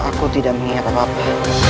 aku tidak mengingat apa apa